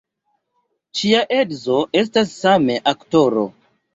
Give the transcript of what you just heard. Ŝia edzo estas same aktoro.